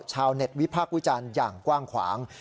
ชาวเน็ตวิพากษ์วิจารณ์อย่างกว้างขวาง